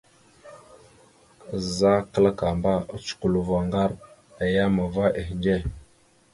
Azza kǝlakamba, ocǝkulvurro ngar a yam va ehindze.